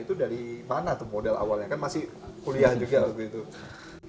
itu dari mana tuh modal awalnya kan masih kuliah juga waktu itu